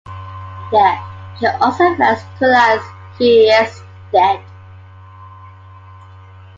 There, she also fails to realize he is dead.